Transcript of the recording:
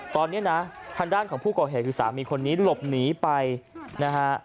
ตอนนี้นะทางด้านของผู้ก่อเหตุคือสามีคนนี้หลบหนีไปนะฮะ